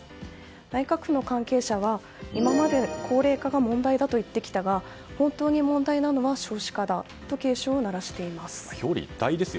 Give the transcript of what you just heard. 内閣府の関係者は今まで高齢化が問題だと言ってきたが本当に問題なのは少子化だと警鐘を鳴らしています。